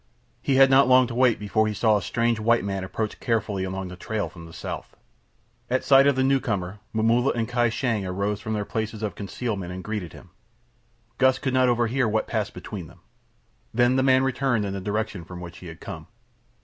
He had not long to wait before he saw a strange white man approach carefully along the trail from the south. At sight of the new comer Momulla and Kai Shang arose from their places of concealment and greeted him. Gust could not overhear what passed between them. Then the man returned in the direction from which he had come.